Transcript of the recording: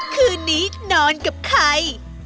คืนนี้นอนกับใคร